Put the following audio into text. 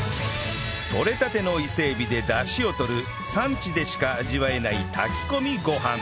とれたての伊勢エビでダシを取る産地でしか味わえない炊き込みご飯